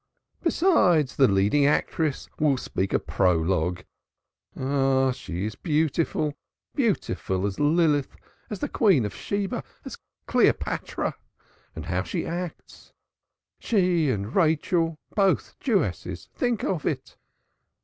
Besides, the leading actress will speak a prologue. Ah! she is beautiful, beautiful as Lilith, as the Queen of Sheba, as Cleopatra! And how she acts! She and Rachel both Jewesses! Think of it!